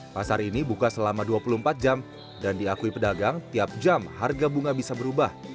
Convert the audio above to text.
pasar ini buka selama dua puluh empat jam dan diakui pedagang tiap jam harga bunga bisa berubah